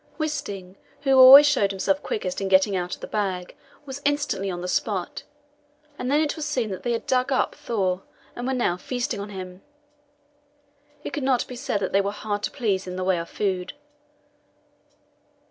Wisting, who always showed himself quickest in getting out of the bag, was instantly on the spot, and then it was seen that they had dug up Thor, and were now feasting on him. It could not be said that they were hard to please in the way of food.